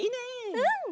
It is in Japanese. うん。